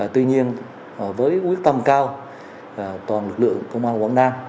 tuy nhiên với quyết tâm cao toàn lực lượng công an quảng nam